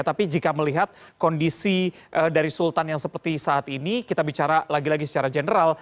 tapi jika melihat kondisi dari sultan yang seperti saat ini kita bicara lagi lagi secara general